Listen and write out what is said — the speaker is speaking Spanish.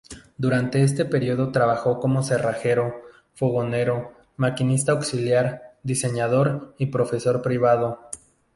Durante este período trabajó como cerrajero, fogonero, maquinista auxiliar, diseñador y profesor privado.